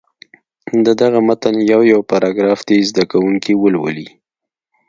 د دغه متن یو یو پاراګراف دې زده کوونکي ولولي.